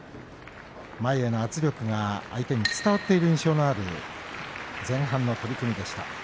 前への圧力が相手に伝わっている印象がある前半の取組でした。